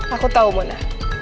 aku tau mona